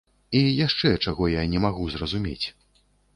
І яшчэ, чаго я не магу зразумець.